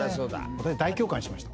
私大共感しました！